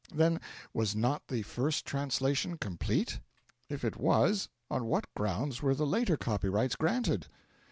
Then, was not the first translation complete? If it was, on what grounds were the later copyrights granted?